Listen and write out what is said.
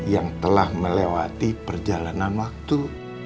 yang telah melewati perjalanan waktu